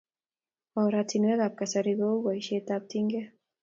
Oratinwekab kasari kou boisiteab tinget,